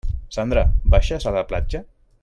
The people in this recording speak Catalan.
Sandra, baixes a la platja?